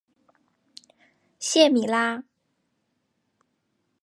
谢米拉。